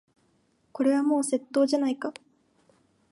これはもう窃盗じゃないか。